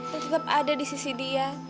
dan tetap ada di sisi dia